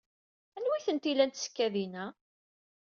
Anwa ay tent-ilan tsekkadin-a?